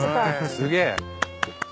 すげえ。